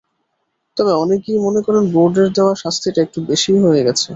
তবে অনেকেই মনে করেন, বোর্ডের দেওয়া শাস্তিটা একটু বেশিই হয়ে গেছে।